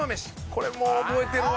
これも覚えてるわ。